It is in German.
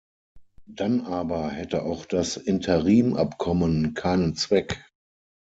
Dann aber hätte auch das Interimabkommen keinen Zweck.